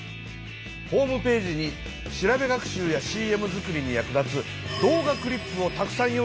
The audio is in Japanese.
ホームページに調べ学習やＣＭ作りに役立つ動画クリップをたくさん用意しておいた。